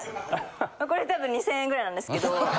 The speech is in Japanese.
これ多分２０００円位なんですけど。